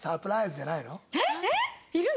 えっいるの？